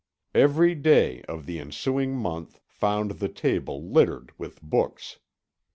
Every day of the ensuing month found the table littered with books.